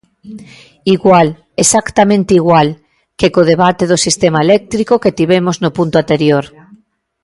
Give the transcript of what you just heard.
Igual, exactamente igual, que co debate do sistema eléctrico que tivemos no punto anterior.